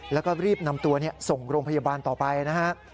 แล้วก็รีบนำตัวส่งโรงพยาบาลต่อไปนะฮะ